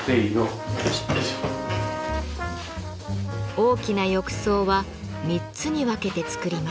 大きな浴槽は３つに分けて作ります。